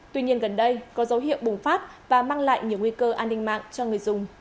tuy nhiên gần đây có dấu hiệu bùng phát và mang lại nhiều nguy cơ an ninh mạng cho người dùng